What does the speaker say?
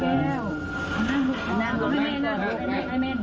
เรือเต่าน่ะ